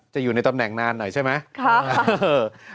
อยู่ในตำแหน่งนานหน่อยใช่ไหม